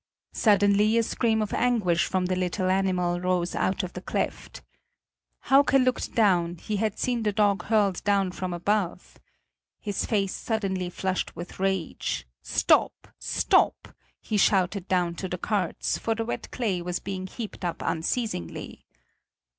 Suddenly a scream of anguish from the little animal rose out of the cleft. Hauke looked down: he had seen the dog hurled down from above. His face suddenly flushed with rage. "Stop! Stop!" he shouted down to the carts; for the wet clay was being heaped up unceasingly.